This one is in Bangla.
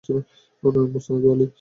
মুসনাদু আলী